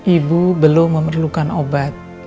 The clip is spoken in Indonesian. ibu belum memerlukan obat